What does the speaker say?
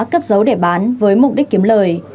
cất giấu để bán với mục đích kiếm lợi